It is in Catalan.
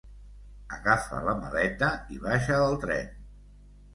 Agafa la maleta i baixa del tren.